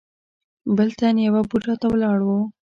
بل تن يوه بوډا ته ولاړ و.